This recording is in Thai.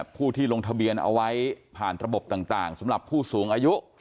ผู้ที่ลงทะเบียนเอาไว้ผ่านระบบต่างสำหรับผู้สูงอายุ